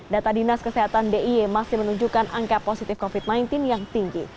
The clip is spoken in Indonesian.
data dinas kesehatan diy masih menunjukkan angka positif covid sembilan belas yang tinggi